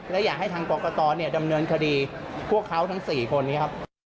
และอยากให้ทางกรกตดำเนินคดีพวกเขาทั้ง๔คนนี้ครับ